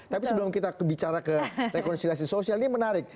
tapi sebelum kita bicara ke rekonsiliasi sosial ini menarik